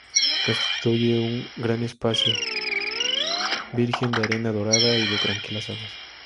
Constituye un gran espacio virgen de arena dorada y de tranquilas aguas.